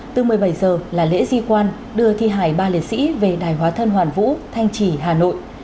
từ một mươi bảy h là lễ di quan đưa thi hải ba liệt sĩ về đài hóa thân hoàn vũ thanh trì hà nội